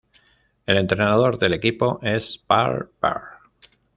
El entrenador del equipo es Pal Berg.